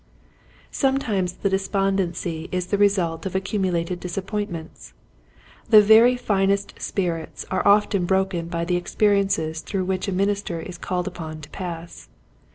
Sometimes the despondency is the re sult of accumulated disappointments. The very finest spirits are often broken by the experiences through which a minister is called upon to pass.